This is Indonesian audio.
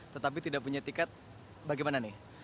tetapi tidak punya tiket bagaimana nih